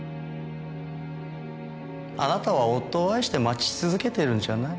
あなたは夫を愛して待ち続けているんじゃない。